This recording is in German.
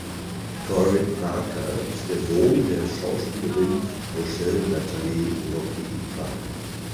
Corey Parker ist der Sohn der Schauspielerin Rochelle Natalie "Rocky" Parker.